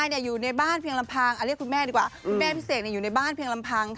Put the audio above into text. คุณแม่พี่เสกอยู่ในบ้านเพียงลำพัง